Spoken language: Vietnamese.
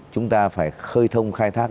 chúng ta phải khơi thông khai thác